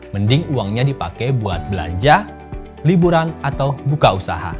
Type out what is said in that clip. mending uangnya dipakai buat belanja liburan atau buka usaha